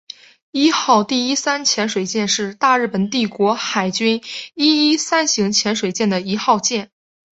伊号第一三潜水舰是大日本帝国海军伊一三型潜水艇的一号舰。